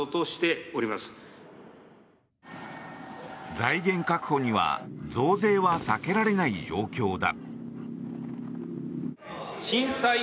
財源確保には増税は避けられない状況だ。